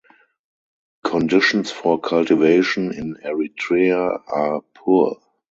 Conditions for cultivation in Eritrea are poor.